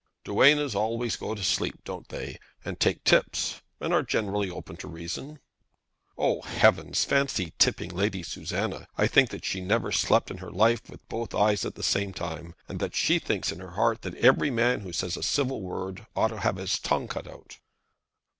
"Duennas always go to sleep, don't they; and take tips; and are generally open to reason?" "Oh, heavens! Fancy tipping Lady Susanna! I should think that she never slept in her life with both eyes at the same time, and that she thinks in her heart that every man who says a civil word ought to have his tongue cut out."